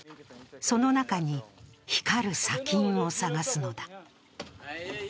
その中に光る砂金を探すのだ。